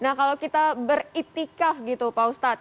nah kalau kita beritikaf gitu pak ustadz